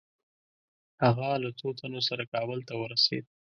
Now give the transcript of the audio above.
هغه له څو تنو سره کابل ته ورسېد.